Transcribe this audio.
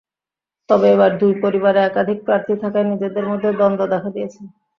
তবে এবার দুই পরিবারে একাধিক প্রার্থী থাকায় নিজেদের মধ্যে দ্বন্দ্ব দেখা দিয়েছে।